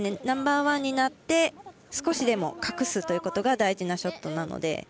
ナンバーワンになって少しでも隠すということが大事なショットなので。